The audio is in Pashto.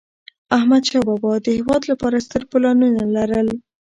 احمدشاه بابا د هېواد لپاره ستر پلانونه لرل.